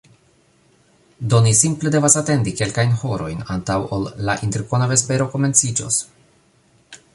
Do, ni simple devas atendi kelkajn horojn antaŭ ol la interkona vespero komenciĝos